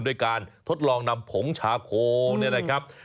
ด้วยการทดลองนำผงชาโคเนี่ยนะครับ